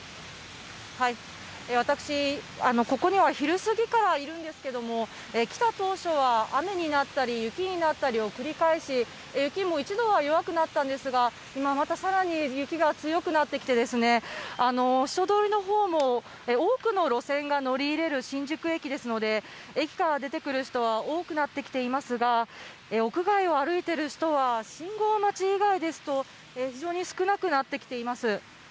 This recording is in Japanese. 私、ここには昼過ぎからいるんですけれども、来た当初は雨になったり雪になったりを繰り返し、雪も一度は弱くなったんですが、今またさらに雪が強くなってきて、人通りのほうも多くの路線が乗り入れる新宿駅ですので、駅から出てくる人は多くなってきていますが、屋外を歩いてる人は信号待ち以外ですと、非常に少なくなってきています。